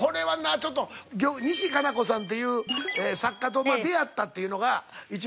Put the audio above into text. ちょっと西加奈子さんっていう作家と出会ったっていうのが一番。